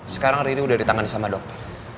sekarang rini udah ditangani sama dokter